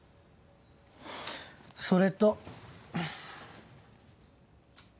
それと。